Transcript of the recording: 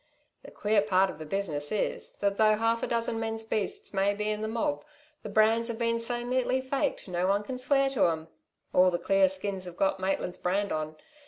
"The queer part of the business is that though half a dozen men's beasts may be in the mob, the brands've been so neatly faked, no one can swear to 'em. All the clear skins've got Maitland's brand on.